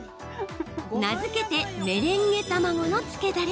名付けてメレンゲ卵のつけだれ。